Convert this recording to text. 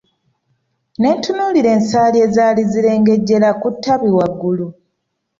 Netunuulira ensaali ezali zirengejera ku ttabi waggulu.